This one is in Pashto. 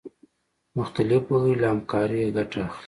مختلف وګړي له همکارۍ ګټه اخلي.